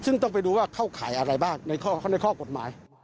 ซึ่งต้องไปดูว่าเข้าข่ายอะไรบ้างในข้อกฎหมาย